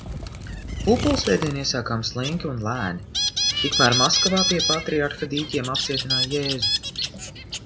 Pūpolsvētdienu iesākām slinki un lēni. Tikmēr Maskavā pie Patriarha dīķiem apcietināja Jēzu.